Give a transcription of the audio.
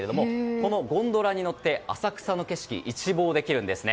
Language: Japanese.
このゴンドラに乗って浅草の景色を一望できるんですね。